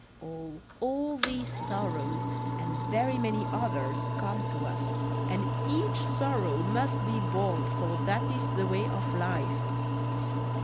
All, all these sorrows, and very many others, come to us; and each sorrow must be borne, for that is the way of life."